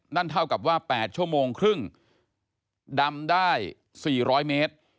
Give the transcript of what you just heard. นั่นเท่ากับว่า๘ชั่วโมงครึ่งดำได้๔๐๐เมตร